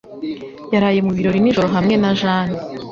Yaraye mu birori nijoro hamwe na Jane.